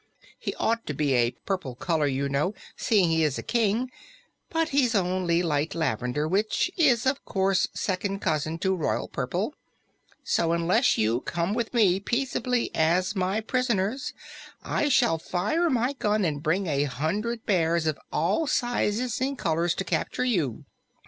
He ought to be a purple color, you know, seeing he is a King, but he's only light lavender, which is, of course, second cousin to royal purple. So unless you come with me peaceably as my prisoners, I shall fire my gun and bring a hundred bears of all sizes and colors to capture you."